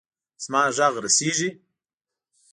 زما ږغ رسیږي.